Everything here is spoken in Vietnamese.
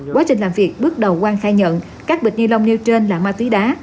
quá trình làm việc bước đầu quang khai nhận các bịch ni lông nêu trên là ma túy đá